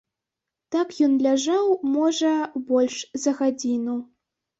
Так ён ляжаў, можа, больш за гадзіну.